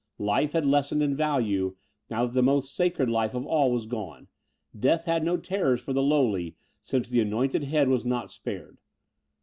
Life had lessened in value, now that the most sacred life of all was gone; death had no terrors for the lowly since the anointed head was not spared.